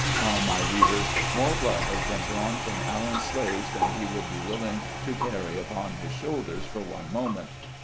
Ah, my readers ! more blood has been drawn from Allen's slaves than he would be willing to carry upon his shoulders for one moment.